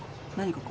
ここ。